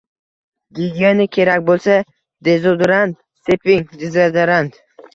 — Gigiena kerak bo‘lsa... dezodorant seping, dezodorant!